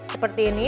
seperti ini ya